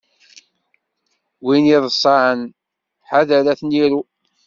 Win iḍṣan, ḥadeṛ ad ten-iru.